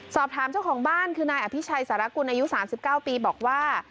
สอบถามเจ้าของบ้านคือนายอภิชัยสารกุลอายุ๓๙ปีบอกว่า